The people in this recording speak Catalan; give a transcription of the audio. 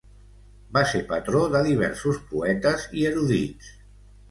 Va ser patró de diversos poetes i erudits.